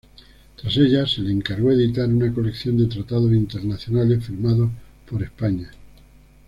Tras ella, se le encargó editar una colección de tratados internacionales firmados por España.